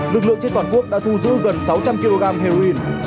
lực lượng trên toàn quốc đã thu giữ gần sáu trăm linh kg heroin